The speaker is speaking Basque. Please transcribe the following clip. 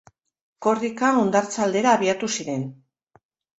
Korrika hondartza aldera abiatu ziren.